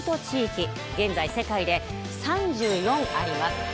現在世界で３４あります。